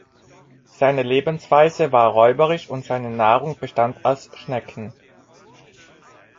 Seine Lebensweise war räuberisch und seine Nahrung bestand aus Schnecken.